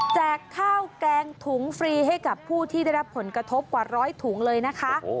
ข้าวแกงถุงฟรีให้กับผู้ที่ได้รับผลกระทบกว่าร้อยถุงเลยนะคะ